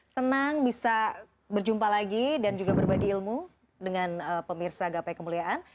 senang bisa berjumpa lagi dan juga berbagi ilmu dengan pemirsa gapai kemuliaan